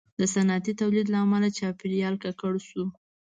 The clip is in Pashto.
• د صنعتي تولید له امله چاپېریال ککړ شو.